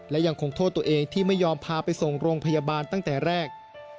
และยังคงโทษตัวเองที่ไม่ยอมพาไปส่งโรงพยาบาลตั้งแต่แรก